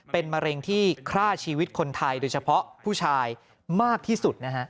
เป็นมะเร็งที่ฆ่าชีวิตคนไทยโดยเฉพาะผู้ชายมากที่สุดนะฮะ